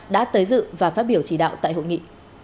đã tới dự và phát biểu chỉ đạo tại hội nghị